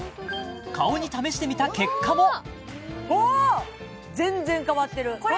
顔に試してみた結果もあっ全然変わってる変わってます？